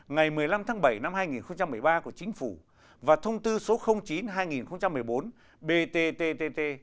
ngày một mươi năm bảy hai nghìn một mươi ba của chính phủ và thông tư số chín hai nghìn một mươi bốn bt ttt